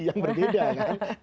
yang berbeda kan